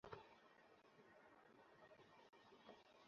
ব্যাগের ওপর ইংরেজিতে নিজের নাম-ঠিকানা, ফোন নম্বর, পাসপোর্ট নম্বর লিখতে হবে।